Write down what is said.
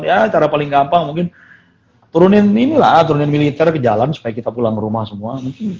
ya cara paling gampang mungkin turunin militer ke jalan supaya kita pulang rumah semua